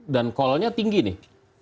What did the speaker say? dan call nya tinggi nih